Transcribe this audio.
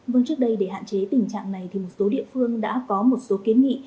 vâng trước đây để hạn chế tình trạng này thì một số địa phương đã có một số kiến nghị